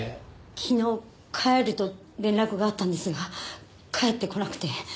昨日「帰る」と連絡があったんですが帰ってこなくて。